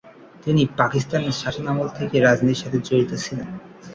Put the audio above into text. তিনি পাকিস্তান শাসনামল থেকেই রাজনীতির সাথে জড়িত ছিলেন।